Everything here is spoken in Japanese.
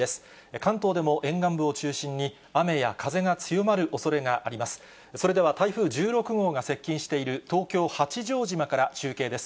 関東でも沿岸部を中心に、雨や風が強まるおそれがあります。